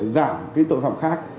giảm cái tội phạm khác